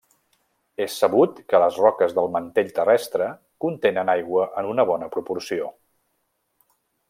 És sabut que les roques del mantell terrestre contenen aigua en una bona proporció.